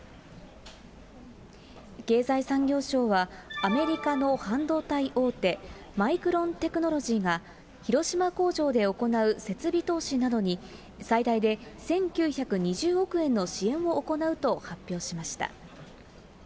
経済産業省は、アメリカの半導体大手、マイクロンテクノロジーが、広島工場で行う設備投資などに、最大で１９２０億円の支援を行うと発表しました。